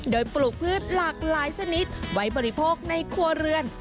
โดยปลูกพืชหลากหลายชนิดไว้บริโภคในครัวเรือน